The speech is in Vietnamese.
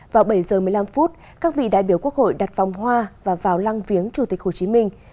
vào bảy giờ một mươi năm phút các vị đại biểu quốc hội đặt vòng hoa và vào lăng viếng chủ tịch hồ chí minh